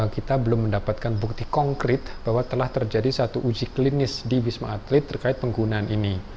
kita belum mendapatkan bukti konkret bahwa telah terjadi satu uji klinis di wisma atlet terkait penggunaan ini